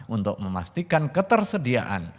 untuk memastikan ketersediaan